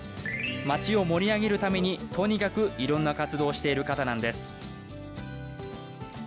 町を盛り上げるためにとにかく、いろんな活動をしている方なんです。